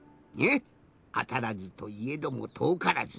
あたらずといえどもとおからず。